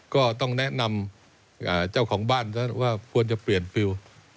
ก็ต้องแนะนำเจ้าของบ้านซะว่าควรจะเปลี่ยนฟิล